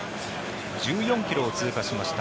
１４ｋｍを通過しました。